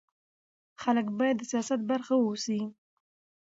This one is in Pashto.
خلک باید د سیاست برخه واوسي